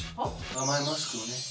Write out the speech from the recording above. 甘いマスクをね。